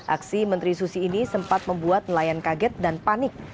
aksi menteri susi ini sempat membuat nelayan kaget dan panik